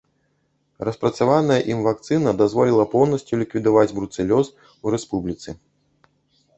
Распрацаваная ім вакцына дазволіла поўнасцю ліквідаваць бруцэлёз у рэспубліцы.